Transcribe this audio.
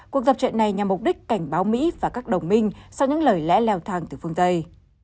cuộc tập trận này nhằm mục đích cảnh báo mỹ và các đồng minh sau những lời lẽ leo thang từ phương tây